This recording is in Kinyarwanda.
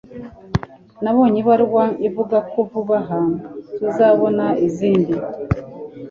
nabonye ibaruwa ivuga ko vuba aha tuzabona izindi